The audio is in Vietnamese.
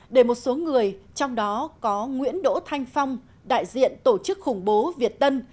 để một số người trong đó có nguyễn đỗ thanh phong đại diện tổ chức khủng bố việt tân